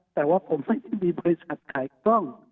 แต่ว่าผมไม่ได้มีบริษัทขายกล้อง